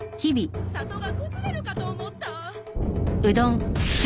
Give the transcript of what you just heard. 里が崩れるかと思った。